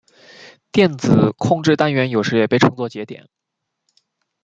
电子控制单元有时也被称作节点。